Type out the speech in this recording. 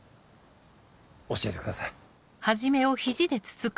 教えてください。